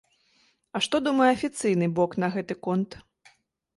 А што думае афіцыйны бок на гэты конт?